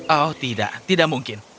oh tidak tidak mungkin